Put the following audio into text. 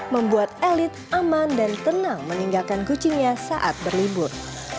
membuat elit aman dan tenang meninggalkan kucingnya saat berlibur